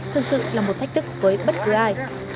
thực sự là một thách thức với bất cứ ai